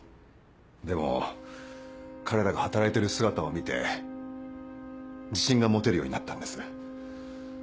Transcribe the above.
でも彼らが働いてる姿を見て自信が持てるようになったんです。